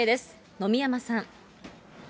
野見山さん。